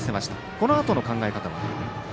このあとの考え方は。